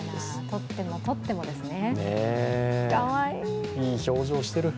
取っても、取ってもですね。